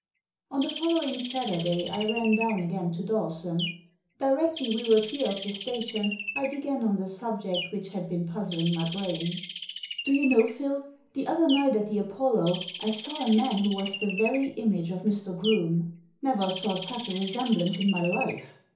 On the following Saturday I ran down again to Dawson. Directly we were clear of the station I began on the subject which had been puzzling my brain, " Do you know, Phil, the other night at the Apollo I saw a man who was the very image of Mr. Groome. Never saw such a resemblance in my life.